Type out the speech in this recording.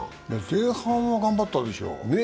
前半は頑張ったでしょう。